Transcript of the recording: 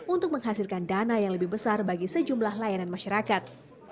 untuk menghasilkan dana yang lebih besar bagi sejumlah layanan masyarakat